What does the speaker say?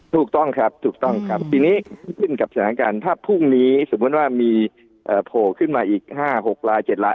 ถูกต้องครับถูกต้องครับทีนี้ขึ้นกับสถานการณ์ถ้าพรุ่งนี้สมมุติว่ามีโผล่ขึ้นมาอีก๕๖ลาย๗ลาย